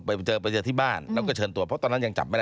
ไปเจอไปเจอที่บ้านแล้วก็เชิญตัวเพราะตอนนั้นยังจับไม่ได้